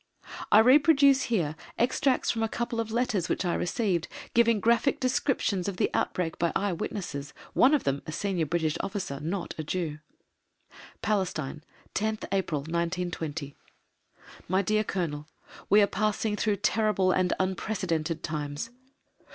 I reproduce here extracts from a couple of letters which I received, giving graphic descriptions of the outbreak by eye witnesses, one of them a Senior British Officer, not a Jew: PALESTINE, 10TH APRIL, 1920. MY DEAR COLONEL, We are passing through terrible and unprecedented times.